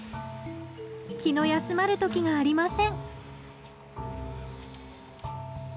気の休まる時がありません